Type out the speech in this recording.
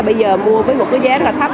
bây giờ mua với một cái giá rất là thấp